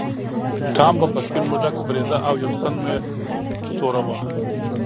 ټام به په سپین موږک سپرېده او یوه ستن یې توره وه.